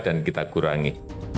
dan kita kurangi